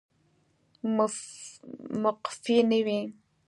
مقفي نه وي